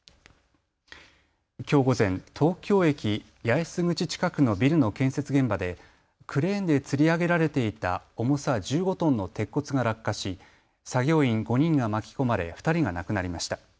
きょう午前、東京駅八重洲口近くのビルの建設現場でクレーンでつり上げられていた重さ１５トンの鉄骨が落下し、作業員５人が巻き込まれ２人が亡くなりました。